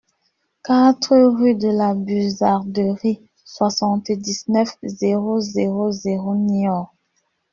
quatre rue de la Buzarderie, soixante-dix-neuf, zéro zéro zéro, Niort